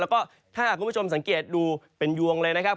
แล้วก็ถ้าคุณผู้ชมสังเกตดูเป็นยวงเลยนะครับ